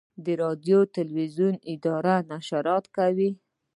د راډیو تلویزیون اداره نشرات کوي